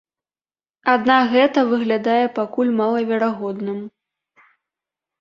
Аднак гэта выглядае пакуль малаверагодным.